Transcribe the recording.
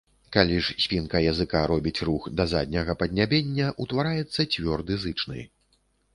Калі ж спінка языка робіць рух да задняга паднябення, утвараецца цвёрды зычны.